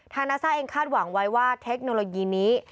นาซ่าเองคาดหวังไว้ว่าเทคโนโลยีนี้